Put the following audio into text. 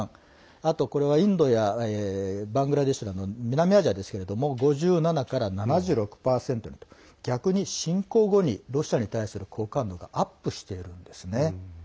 あとインドやバングラデシュなどの南アジアは、５７％から７６％と逆に侵攻後にロシアに対する好感度がアップしているんですね。